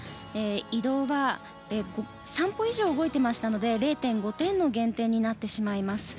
移動は３歩以上動いていましたので０．５点の減点になってしまいます。